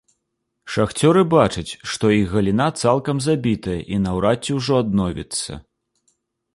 Шахцёры бачаць, што іх галіна цалкам забітая і наўрад ці ўжо адновіцца.